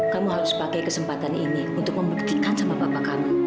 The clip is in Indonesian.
kamu harus pakai kesempatan ini untuk membuktikan sama bapak kami